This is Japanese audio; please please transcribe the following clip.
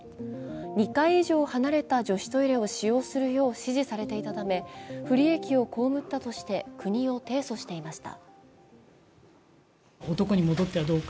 ２階以上離れた女子トイレを使用するよう指示されていたため、不利益を被ったとして国を提訴していました。